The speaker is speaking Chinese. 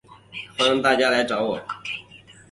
欢迎大家来找我